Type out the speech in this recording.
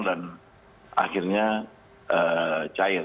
dan akhirnya cair